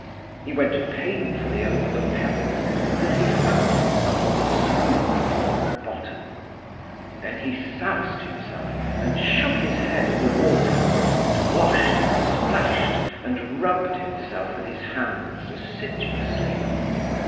He went painfully over the pebbles till he found himself on the smooth rock bottom. Then he soused himself, and shook his head in the water, and washed and splashed and rubbed himself with his hands assiduously.